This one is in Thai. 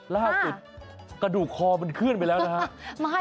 ล่าผุดกระดูกคอมันคื่นไปแล้วนะฮะ